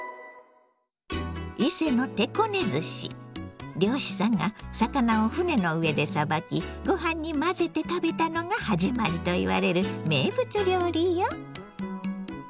伊勢の漁師さんが魚を船の上でさばきご飯に混ぜて食べたのが始まりといわれる名物料理よ。